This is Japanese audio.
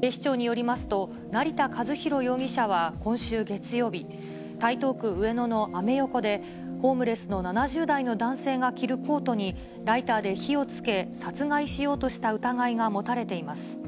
警視庁によりますと、成田和弘容疑者は今週月曜日、台東区上野のアメ横で、ホームレスの７０代の男性が着るコートにライターで火をつけ、殺害しようとした疑いが持たれています。